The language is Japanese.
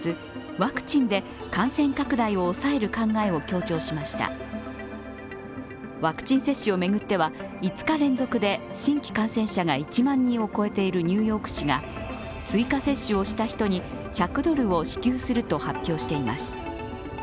ワクチン接種を巡っては、５日連続で新規感染者が１万人を超えているニューヨーク市が追加接種をした人に１００ドルを支給すると発表しています。